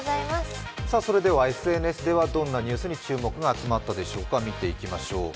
ＳＮＳではどんなニュースに注目が集まったでしょうか、見ていきましょう。